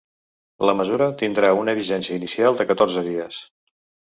La mesura tindrà una vigència inicial de catorze dies.